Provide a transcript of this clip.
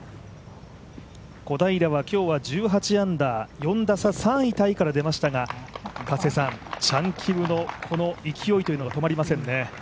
小平は今日は、１８アンダー４打差３位タイから出ましたが、チャン・キムの勢いが止まりませんね。